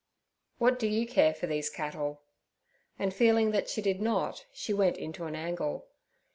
'What do you care for these cattle?' And feeling that she did not, she went into an angle.